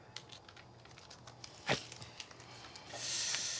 はい。